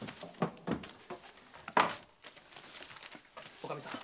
おかみさん